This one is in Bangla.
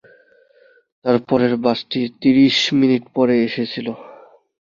তার পরের বাসটা তিরিশ মিনিট পরে এসেছিল।